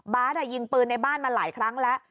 ยิงปืนในบ้านมาหลายครั้งแล้ว